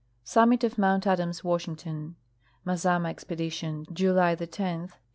Summit of Mount Adams, Washington. Mazama Expedition, July 10, 1895.